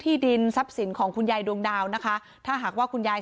ดินทรัพย์สินของคุณยายดวงดาวนะคะถ้าหากว่าคุณยาย